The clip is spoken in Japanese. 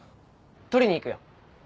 取りに行くよ。